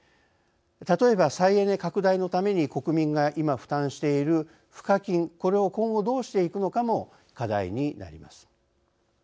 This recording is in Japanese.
例えば、再エネ拡大のために国民がいま負担している賦課金これを今後どうしていくのかも課題になります。